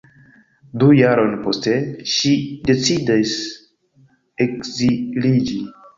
Du jarojn poste ŝi decidas ekziliĝi.